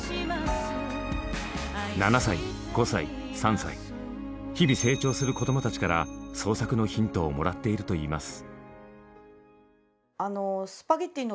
７歳５歳３歳日々成長する子どもたちから創作のヒントをもらっているといいます。